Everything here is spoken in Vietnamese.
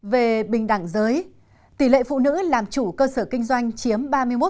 về bình đẳng giới tỷ lệ phụ nữ làm chủ cơ sở kinh doanh chiếm ba mươi một